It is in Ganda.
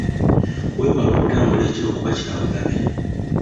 Weewale okutambula ekiro kuba kya bulabe.